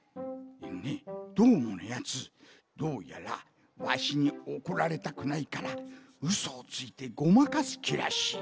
どーものやつどうやらわしにおこられたくないからウソをついてごまかすきらしい。